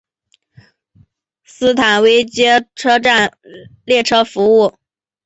斯坦威街车站列车服务。